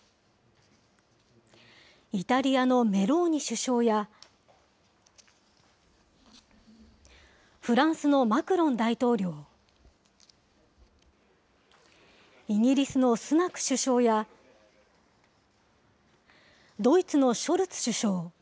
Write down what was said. イタリアのメローニ首相や、フランスのマクロン大統領、イギリスのスナク首相や、ドイツのショルツ首相。